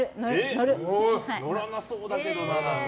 乗らなそうだけどな。